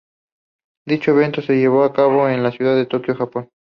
Dicho evento se llevó a cabo en la ciudad de Tokio, Japón.